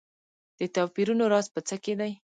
د توپیرونو راز په څه کې دی.